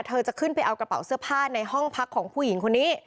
เธอจะขึ้นไปเอากระเป๋าเสื้อผ้าในห้องพักของผู้หญิงคนนี้